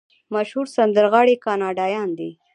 مشهور سندرغاړي کاناډایان دي.